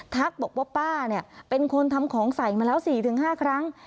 ทักบอกว่าป้าเนี่ยเป็นคนทำของใสมาแล้วสี่ถึงห้าครั้ง